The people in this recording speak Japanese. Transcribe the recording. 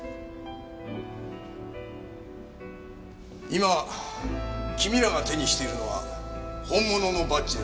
今君らが手にしているのは本物のバッジではない。